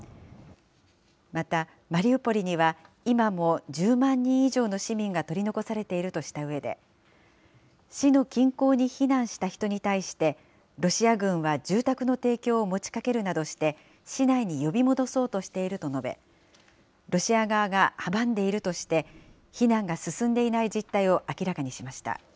また、マリウポリには今も１０万人以上の市民が取り残されているとしたうえで、市の近郊に避難した人に対して、ロシア軍は住宅の提供を持ちかけるなどして、市内に呼び戻そうとしていると述べ、ロシア側が阻んでいるとして、避難が進んでいない実態を明らかにしました。